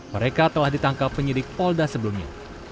mereka telah ditangkap penyidik polda sebelumnya